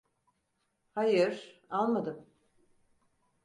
Hayır, almadım.